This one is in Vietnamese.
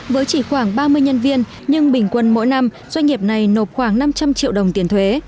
với chỉ khoảng ba mươi nhân viên nhưng bình quân mỗi năm doanh nghiệp này nộp khoảng năm trăm linh triệu đồng tiền thuế